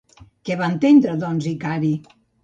Què va entendre, doncs Icari?